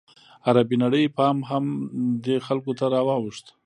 عربي نړۍ پام هم دې خلکو ته راواوښت.